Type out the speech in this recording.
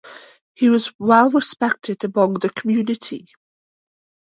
He was well respected among the community.